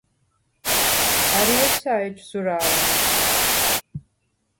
ა̈რი ესა̄ ეჯ ზურა̄ლ ამეჩუ?